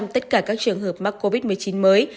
tất cả các trường hợp mắc covid một mươi chín mới